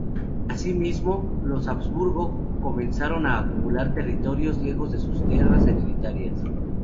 Asimismo, los Habsburgo comenzaron a acumular territorios lejos de sus tierras hereditarias.